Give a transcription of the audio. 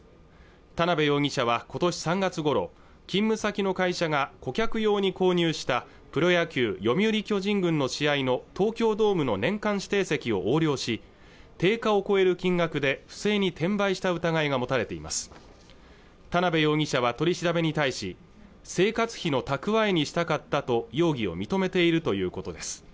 田辺容疑者はことし３月ごろ勤務先の会社が顧客用に購入したプロ野球読売巨人軍の試合の東京ドームの年間指定席を横領し定価を超える金額で不正に転売した疑いが持たれています田辺容疑者は取り調べに対し生活費の蓄えにしたかったと容疑を認めているということです